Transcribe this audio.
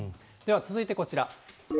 続いてこちら。